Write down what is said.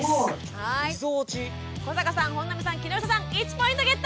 古坂さん本並さん木下さん１ポイントゲット！